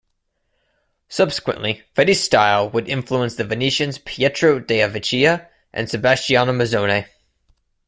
Subsequently, Fetti's style would influence the Venetians Pietro della Vecchia and Sebastiano Mazzone.